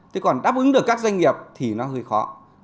thế còn đáp ứng được các doanh nghiệp thì nó hơi khó